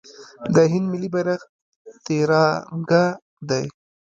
د هند ملي بیرغ تیرانګه دی.